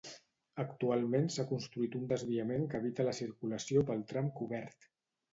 Actualment s'ha construït un desviament que evita la circulació pel tram cobert.